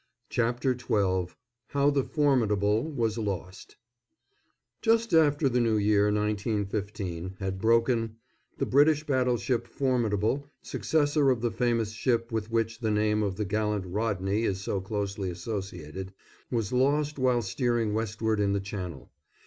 CHAPTER XII HOW THE "FORMIDABLE" WAS LOST [Just after the New Year, 1915, had broken the British battleship Formidable, successor of the famous ship with which the name of the gallant Rodney is so closely associated, was lost while steering westward in the Channel.